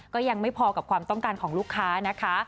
ก็ยังไม่พอกับความต้องการของลูกค้านะคะ